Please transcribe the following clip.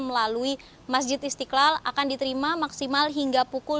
melalui masjid istiqlal akan diterima maksimal hingga pukul dua puluh dua